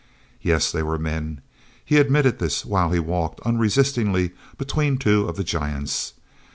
Yes, they were men. He admitted this while he walked unresistingly between two of the giants.